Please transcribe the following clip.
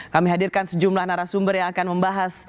kami hadirkan sejumlah narasumber yang akan membahas